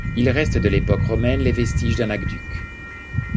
Il reste de l'époque romaine les vestiges d'un aqueduc.